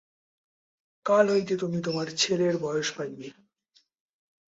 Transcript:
কাল হইতে তুমি তোমার ছেলের বয়স পাইবে।